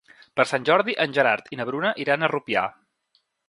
Per Sant Jordi en Gerard i na Bruna iran a Rupià.